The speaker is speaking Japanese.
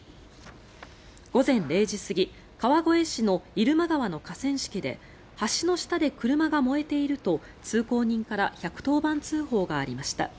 午前０時過ぎ川越市の入間川の河川敷で橋の下で車が燃えていると通行人から１１０番通報がありました。